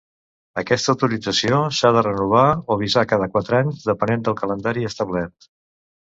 Aquesta autorització s'ha de renovar o visar cada quatre anys, depenent del calendari establert.